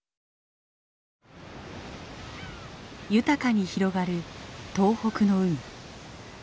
豊かに広がる東北の海。